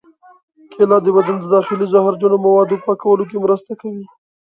کېله د بدن د داخلي زهرجنو موادو پاکولو کې مرسته کوي.